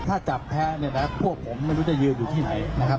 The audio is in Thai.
ถ้าจับแพ้เนี่ยนะพวกผมไม่รู้จะยืนอยู่ที่ไหนนะครับ